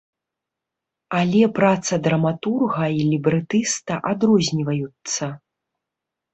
Але праца драматурга і лібрэтыста адрозніваюцца.